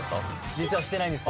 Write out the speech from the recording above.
実はしてないんです。